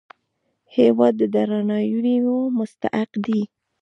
هېواد د درناوي مستحق دی.